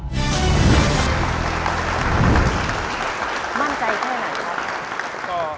มั่นใจเท่าไหร่ครับ